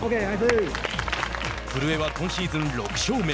古江は今シーズン６勝目。